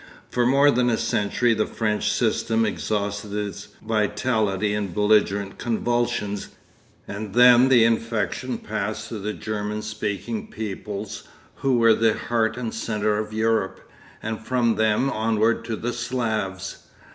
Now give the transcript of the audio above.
For more than a century the French system exhausted its vitality in belligerent convulsions, and then the infection passed to the German speaking peoples who were the heart and centre of Europe, and from them onward to the Slavs.